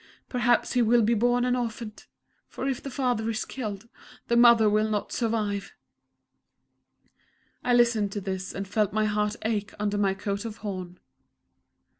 Perhaps he will be born an orphan for if the father is killed, the mother will not survive!" I listened to this and felt my heart ache under my coat of horn.